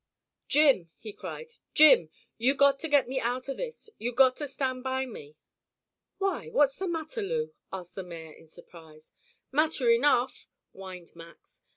"Jim," he cried, "Jim! You got to get me out of this. You got to stand by me." "Why, what's the matter, Lou?" asked the mayor in surprise. "Matter enough," whined Max.